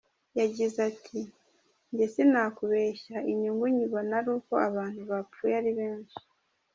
Yagize ati “Njye sinakubeshya inyungu nyibona ari uko abantu bapfuye ari benshi.